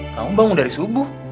kamu bangun dari subuh